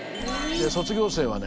卒業生はね